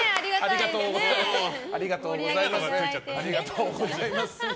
ありがとうございます。